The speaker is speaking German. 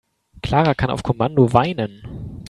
Clara kann auf Kommando weinen.